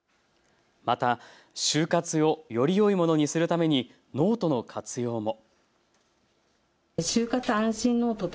また終活をよりよいものにするためにノートの活用も。